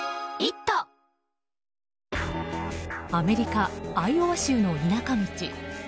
アメリカ・アイオワ州の田舎道。